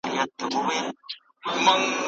¬ اخښلي در بخښلي، خو چي وچ مي لانده نه کړې.